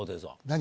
何？